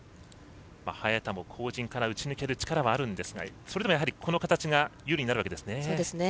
早田も後陣から打ち抜ける力はあるんですがそれでも、この形が有利になるわけですね。